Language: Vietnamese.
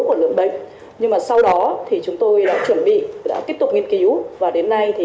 của lượng bệnh nhưng mà sau đó thì chúng tôi đã chuẩn bị đã tiếp tục nghiên cứu và đến nay thì